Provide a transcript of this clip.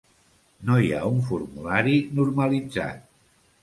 No hi ha un formulari normalitzat.